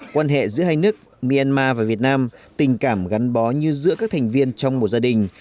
quan hệ giữa hai nước myanmar và việt nam tình cảm gắn bó như giữa các thành viên trong một gia đình